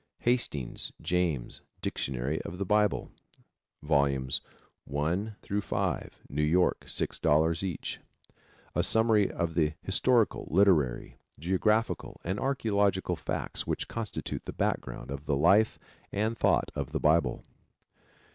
Hastings, James, Dictionary of the Bible, Vols. 1 5. New York, $6.00 each. A summary of the historical, literary, geographical and archaeological facts which constitute the background of the life and thought of the Bible.